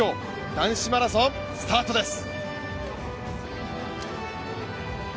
男子マラソン、スタートです。